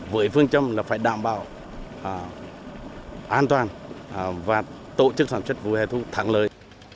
với phương châm là phải đảm bảo an toàn và tổ chức sản xuất vụ hệ thống thẳng lời